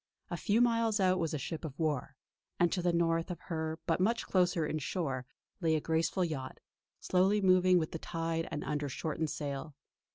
A few miles out was a ship of war; and to the north of her but much closer in shore lay a graceful yacht, slowly moving with the tide and under shortened sail.